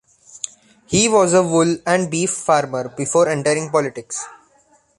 He was a wool and beef farmer before entering politics.